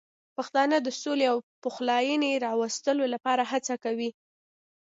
پښتانه د سولې او پخلاینې راوستلو لپاره هڅه کوي.